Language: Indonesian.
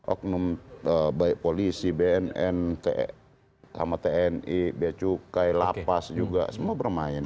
oknum baik polisi bnn sama tni beacukai lapas juga semua bermain